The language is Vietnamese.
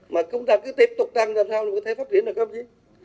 mà chúng ta cứ tiếp tục tăng ra sao thì có thể phát triển được không chứ